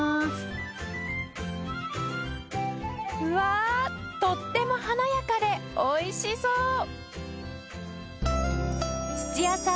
うわあとっても華やかで美味しそう！